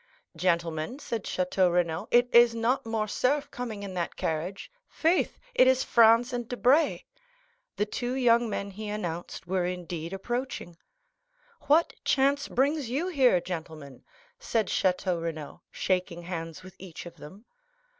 "Gentlemen," said Château Renaud, "it is not Morcerf coming in that carriage;—faith, it is Franz and Debray!" The two young men he announced were indeed approaching. "What chance brings you here, gentlemen?" said Château Renaud, shaking hands with each of them.